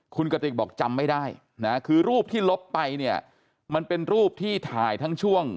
คุณกติกบอกจำไม่ได้นะคือรูปที่ลบไปเนี่ยมันเป็นรูปที่ถ่ายทั้งช่วง